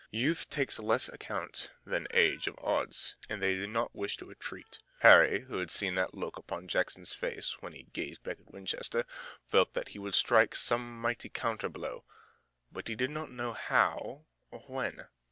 Youth takes less account than age of odds, and they did not wish to retreat. Harry who had seen that look upon Jackson's face, when he gazed back at Winchester, felt that he would strike some mighty counter blow, but he did not know how or when.